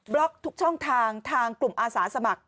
ล็อกทุกช่องทางทางกลุ่มอาสาสมัคร